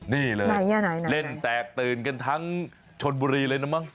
นี่เลยเล่นแตกตื่นกันทั้งชนบุรีเลยนะมั้ง